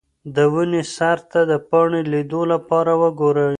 د ونې سر ته د پاڼې لیدو لپاره وګورئ.